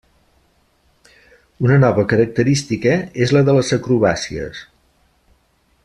Una nova característica és la de les acrobàcies.